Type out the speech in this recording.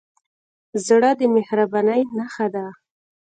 زړه د مهربانۍ نښه ده.